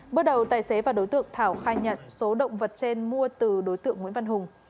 bước đầu tài xế và đối tượng thảo khai nhận số động vật trên mua từ đối tượng nguyễn văn hùng